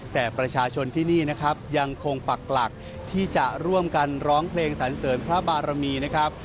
แต่ประชาชนที่นี่นะครับยังคงปักหลักที่จะร่วมกันร้องเพลงสันเสริญพระบารมีนะครับ